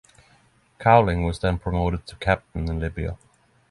Cowling was then promoted to captain in Libya.